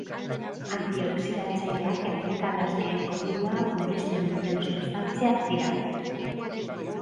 Antioxidatzaileak erradikal askeen kopurua murrizten duten substantziak dira.